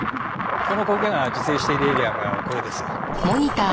その苔が自生しているエリアがこれです。